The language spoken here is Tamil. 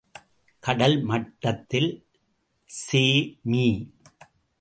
கடல் மட்டத்தில் செ.மீ.